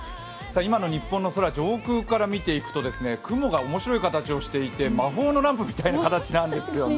今の日本の空、上空から見ていくと雲が面白い形をしていて、魔法のランプみたいな形なんですよね。